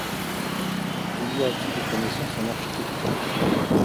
Il y acquit des connaissances en architecture.